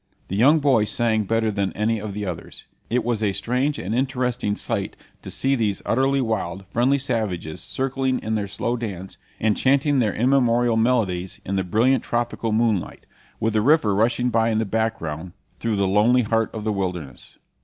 The young boy sang better than any of the others. It was a strange and interesting sight to see these utterly wild, friendly savages circling in their slow dance, and chanting their immemorial melodies, in the brilliant tropical moonlight, with the river rushing by in the background, through the lonely heart of the wilderness.